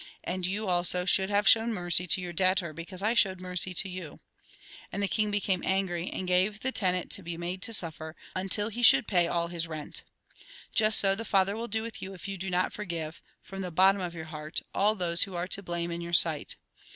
And you, also, should have shown mercy to your debtor, because I showed mercy to you.' And the king became angry, and gave the tenant to be made to suffer, until he should pay all his rent. " Just so, the Father will do with you, if you do not forgive, from the bottom of your heart, all those who are to blame in your sight.